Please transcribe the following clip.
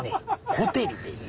ホテルでね？